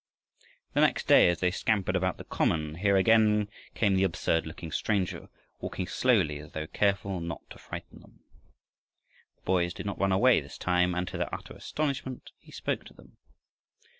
The next day, as they scampered about the common, here again came the absurd looking stranger, walking slowly, as though careful not to frighten them. The boys did not run away this time, and to their utter astonishment he spoke to them.